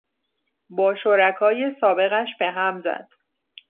با شرکای سابقش به هم زد.